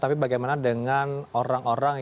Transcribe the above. tapi bagaimana dengan orang orang